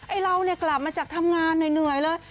ไอ้เราเนี่ยกลับมาจากทำงานเหนื่อยเลย